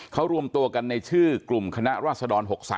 เขาร่วมตัวกันในชื่อกลุ่มคณะรวัตเซอร์ด๕๔